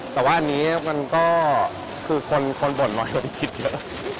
แต่อันนี้คนบ่นแล้วคิดเยอะ